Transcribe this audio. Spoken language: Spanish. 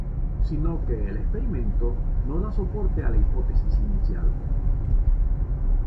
Sino que el experimento no da soporte a la hipótesis inicial.